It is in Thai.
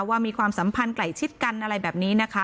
มีความสัมพันธ์ใกล้ชิดกันอะไรแบบนี้นะคะ